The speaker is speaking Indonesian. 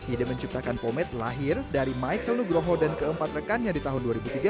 ide menciptakan pomed lahir dari michael nugroho dan keempat rekannya di tahun dua ribu tiga belas